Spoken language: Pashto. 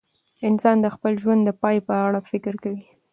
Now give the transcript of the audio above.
انسان د خپل ژوند د پای په اړه فکر کوي.